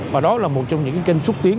và đó là một trong những kênh xuất tiến